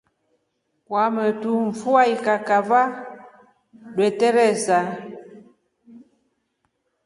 Kwamotu mfua ikakava ndwehe yeteresa.